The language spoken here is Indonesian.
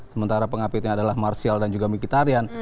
sementara pengapitnya adalah martial dan juga mikitarian